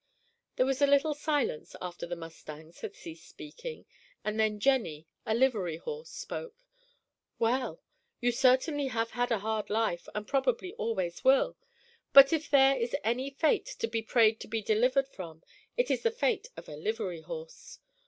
There was a little silence after the mustangs had ceased speaking, and then "Jennie," a livery horse, spoke. "Well, you certainly have had a hard life and probably always will, but if there is any fate to be prayed to be delivered from, it is the fate of a livery horse.